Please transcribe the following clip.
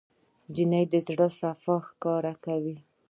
نجلۍ د زړه صفا ښکاره کوي.